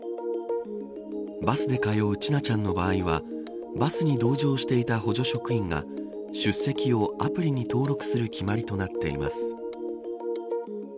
バスで通う千奈ちゃんの場合はバスに同乗していた補助職員が出席をアプリに登録する決まりとなっています。